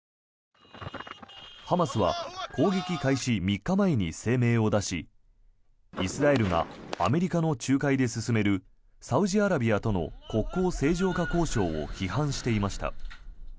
ハマスは攻撃開始３日前に声明を出しイスラエルがアメリカの仲介で進めるサウジアラビアとの国交正常化交渉を批判していました。